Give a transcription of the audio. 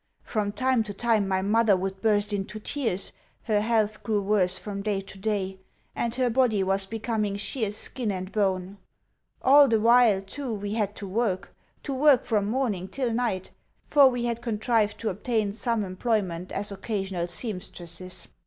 From time to time my mother would burst into tears, her health grew worse from day to day, and her body was becoming sheer skin and bone. All the while, too, we had to work to work from morning till night, for we had contrived to obtain some employment as occasional sempstresses.